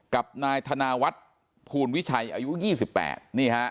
กับนายธนาวัฒน์ภูนวิชัยอายุยี่สิบแปดนี่ฮะ